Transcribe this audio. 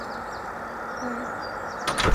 在第二届美国国会。